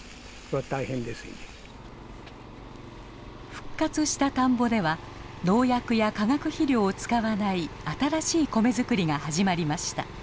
復活した田んぼでは農薬や化学肥料を使わない新しい米作りが始まりました。